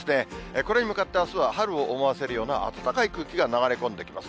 これに向かってあすは春を思わせるようなあったかい空気が流れ込んできます。